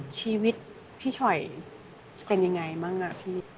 ชีวิตพี่ฉอยเป็นยังไงบ้างอ่ะพี่